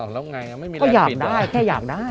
อ๋อแล้วไงไม่มีแรงปิดหรอก็อยากได้แค่อยากได้